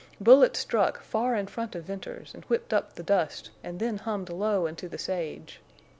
Bullets struck far in front of Venters, and whipped up the dust and then hummed low into the sage.